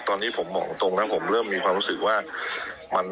ตอนนี้ผมบอกตรงนะผมเริ่มมีความรู้สึกว่า